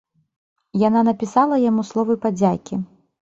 Яна напісала яму словы падзякі.